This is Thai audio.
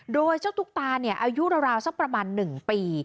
โดยเจ้าตุ๊กตาอายุราวสักประมาณ๑ปี